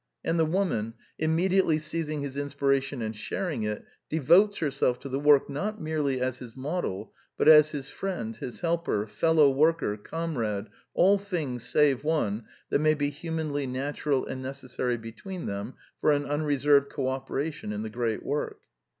And the woman, immediately seizing his inspiration and sharing it, devotes herself to the work, not merely as his model, but as his friend, his helper, fellow worker, comrade, all things, save one, that may be humanly natural and necessary between them for an unreserved co operation in the great work.